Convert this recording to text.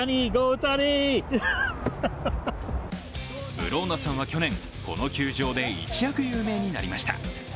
ブローナさんは去年、この球場で一躍有名になりました。